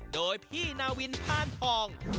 โดยพี่นวิธีท่าร์พร้อมเธอ